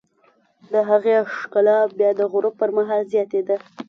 د هغې ښکلا بیا د غروب پر مهال زیاتېده.